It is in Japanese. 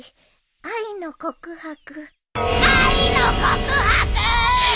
「愛の告白」「愛の告白」！？